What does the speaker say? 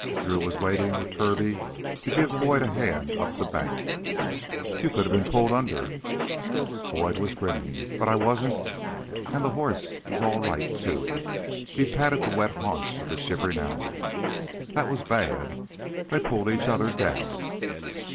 Drew was waiting with Kirby to give Boyd a hand up the bank. "You could have been pulled under!" Boyd was grinning. "But I wasn't. And the horse's all right, too." He patted the wet haunch of the shivering animal. "That was bad they pulled each other down."